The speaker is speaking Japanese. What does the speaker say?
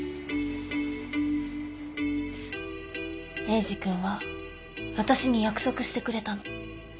エイジ君は私に約束してくれたの